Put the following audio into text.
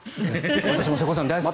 私も瀬古さん大好き。